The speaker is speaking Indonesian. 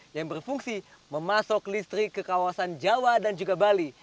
yang berfungsi memasok listrik ke kawasan jawa dan juga bali